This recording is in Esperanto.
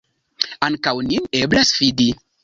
Ankaŭ nin eblas fidi.